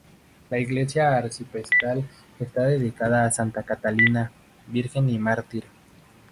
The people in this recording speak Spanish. La iglesia arciprestal está dedicada a Santa Catalina, virgen y mártir.